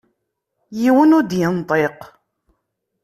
Yiwen ur d-yenṭiq.